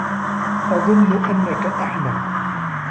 أظنّ أنّك أحمق.